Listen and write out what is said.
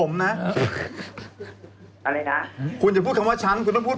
มานั่งข้องความรู้